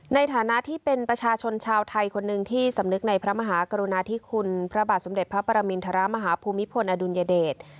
ในฐานะที่เป็นประชาชนชาวไทยคนหนึ่งที่สำนึกในพระมหากรุณาธิคุณพระบาทสมเด็จพระปรมินทรมาฮภูมิพลอดุลยเดช